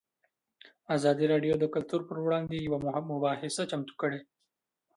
ازادي راډیو د کلتور پر وړاندې یوه مباحثه چمتو کړې.